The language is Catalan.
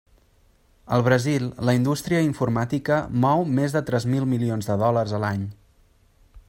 Al Brasil, la indústria informàtica mou més de tres mil milions de dòlars a l'any.